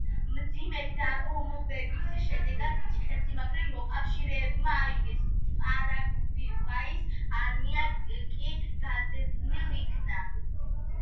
მძიმე დაბომბვების შემდეგ, ციხესიმაგრე მოკავშირეებმა აიღეს, პარაგვაის არმია კი განდევნილ იქნა.